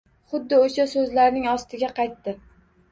Xuddi o’sha so’zlarning ostiga qaytdi